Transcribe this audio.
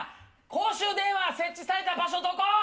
公衆電話設置された場所どこ？